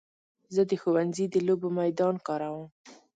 زه د ښوونځي د لوبو میدان کاروم.